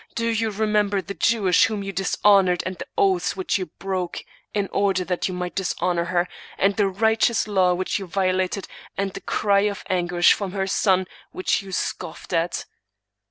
Do you remember the Jewess whom you dishon * ored, and the oaths which you broke in order that you might dishonor her, and the righteous law which you vio lated, and the cry of anguish from her son which you scoffed at?'